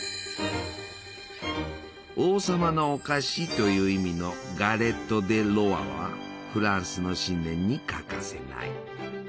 「王様のお菓子」という意味のガレット・デ・ロワはフランスの新年に欠かせない。